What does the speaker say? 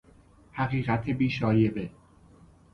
حقیقت بی شایبه